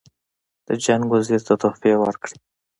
د جنګ وزیر ته تحفې ورکړي.